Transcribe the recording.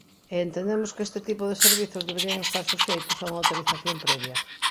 E entendemos que este tipo de servizos deberían estar suxeitos a unha autorización previa.